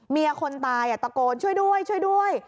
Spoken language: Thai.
คนตายตะโกนช่วยด้วยช่วยด้วย